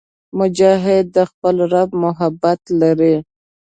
مجاهد د خپل رب محبت لري.